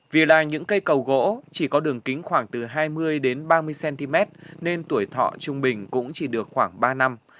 vì là những cây cầu gỗ chỉ có đường kính khoảng từ hai mươi đến ba mươi cm nên tuổi thọ trung bình cũng chỉ được khoảng ba năm